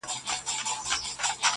په سړو اوبو د ډنډ کي لمبېدلې -